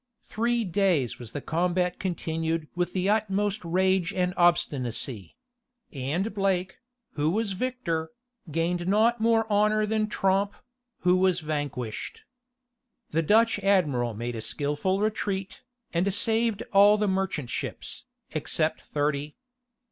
Three days was the combat continued with the utmost rage and obstinacy; and Blake, who was victor, gained not more honor than Tromp, who was vanquished. The Dutch admiral made a skilful retreat, and saved all the merchant ships, except thirty.